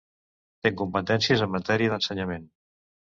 Té competències en matèria d'Ensenyament.